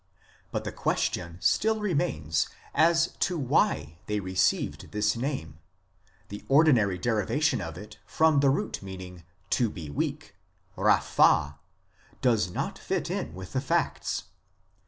But the question still remains as to why they received this name, the ordinary derivation of it from the root meaning "to be weak " (raphah) does not fit in with the facts.